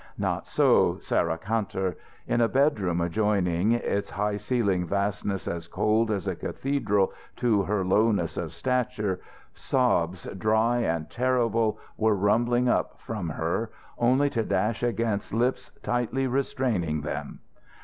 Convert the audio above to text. Not so, Sarah Kantor. In a bedroom adjoining, its high ceilinged vastness as cold as a cathedral to her lowness of stature, sobs dry and terrible were rumbling up from her, only to dash against lips tightly restraining them.